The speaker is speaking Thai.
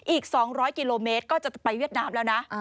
อีก๒๐๐กิโลเมตรก็จะไปเวียดนามแล้วนะ